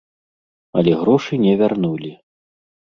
Але грошы не вярнулі.